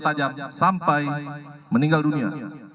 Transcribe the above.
tajam sampai meninggal dunia